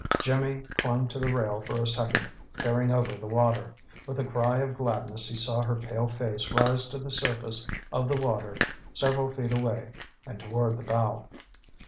Jimmy clung to the rail for a second, peering over the water. With a cry of gladness he saw her pale face rise to the surface of the water several feet away and toward the bow.